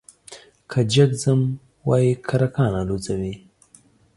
که جگ ځم وايي کرکان الوزوې ،